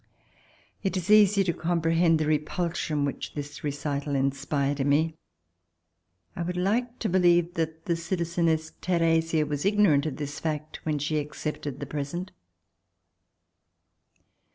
It is easy to comprehend the repulsion which this recital inspired in me. I would like to believe that the citlzeness Theresia was ignorant of this fact when she accepted the present.